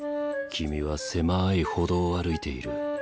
君は狭い歩道を歩いている。